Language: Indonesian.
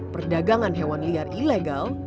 perdagangan hewan liar ilegal